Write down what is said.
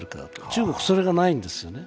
中国、それがないんですよね。